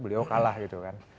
beliau kalah gitu kan